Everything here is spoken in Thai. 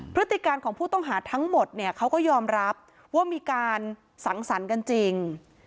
พฤติการของผู้ต้องหาทั้งหมดเนี่ยเขาก็ยอมรับว่ามีการสังสรรค์กันจริง